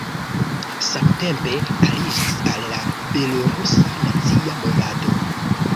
Samtempe aliĝis al belorusa nacia movado.